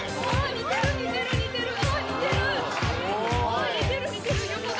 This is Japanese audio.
似てる似てる横顔